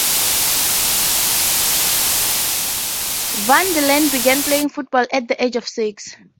Van der Laan began playing football at the age of six.